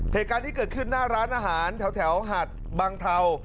เหตุการณ์ที่เกิดขึ้นหน้าร้านอาหารแถวหาดบังเทา